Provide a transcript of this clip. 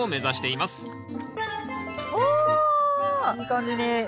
いい感じに。